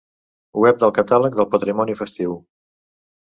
Web del Catàleg del Patrimoni Festiu.